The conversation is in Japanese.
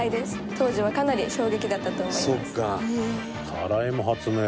「当時はかなり衝撃だったと思います」